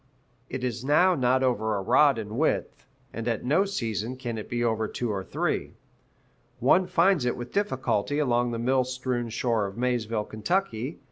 It is now not over a rod in width, and at no season can it be over two or three. One finds it with difficulty along the mill strewn shore of Maysville, Ky.